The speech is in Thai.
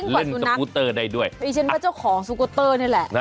เล่นสกุเตอร์ได้ด้วยยิ่งกว่าสุนัขเพราะฉะนั้นว่าเจ้าของสกุเตอร์นี่แหละ